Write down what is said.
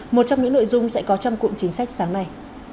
một trong những nội dung sẽ có trong cụm chính sách sáng nay